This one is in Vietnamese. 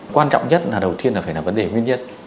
quan trọng nhất là đầu tiên là phải là vấn đề nguyên nhân